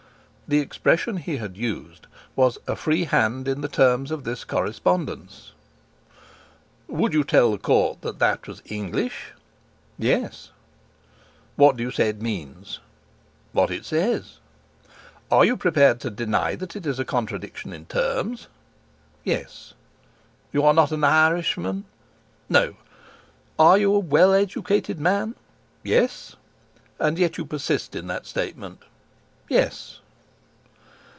The expression he had used was "a free hand in the terms of this correspondence." "Would you tell the Court that that was English?" "Yes!" "What do you say it means?" "What it says!" "Are you prepared to deny that it is a contradiction in terms?" "Yes." "You are not an Irishman?" "No." "Are you a well educated man?" "Yes." "And yet you persist in that statement?" "Yes."